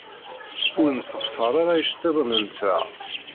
Ur nessexṣer ara iceḍḍiḍen-nteɣ.